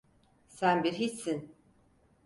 Sen bir hiçsin!